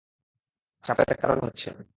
চাপের কারণে হচ্ছে।